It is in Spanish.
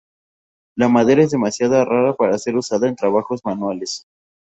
La madera es demasiado rara para ser usada en trabajos manuales.